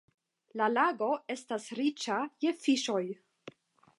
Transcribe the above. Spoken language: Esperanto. La lago estas riĉa je fiŝoj.